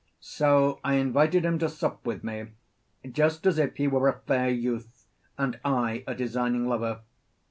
So I invited him to sup with me, just as if he were a fair youth, and I a designing lover.